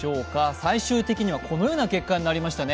最終的にはこのような結果になりましたね。